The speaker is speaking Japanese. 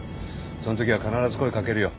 その時は必ず声かけるよ。